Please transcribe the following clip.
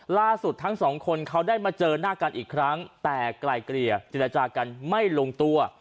ล่าสุดทั้งสองคนเขาได้มาเจอหน้ากันอีกครั้งแต่ไกลเกลี่ยเจรจากันไม่ลงตัว